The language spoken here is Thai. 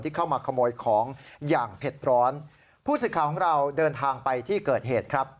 เข้ามาขโมยของอย่างเผ็ดร้อนผู้สื่อข่าวของเราเดินทางไปที่เกิดเหตุครับ